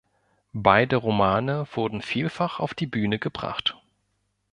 Beide Romane wurden vielfach auf die Bühne gebracht.